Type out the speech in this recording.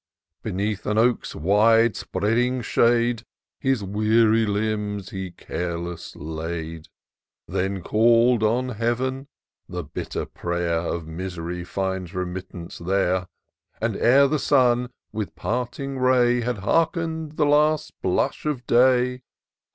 Beneath an oak's wide spreading shade His weary limbs he careless laid ; IN SEARCH OF THE PICTURESQUE. 193 Then call'd on Heaven: — (the bitter pray'r Of Mis'ry finds admittance there !) And ere the sun, with parting ray, Had heighten'd the last blush of day.